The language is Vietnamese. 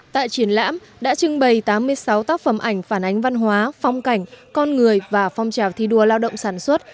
tại triển lãm đã trưng bày tám mươi sáu tác phẩm ảnh phản ánh văn hóa phong cảnh con người và phong trào thi đua lao động sản xuất